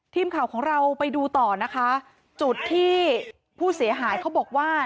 ทีมข่าวของเราไปดูต่อนะคะจุดที่ผู้เสียหายเขาบอกว่า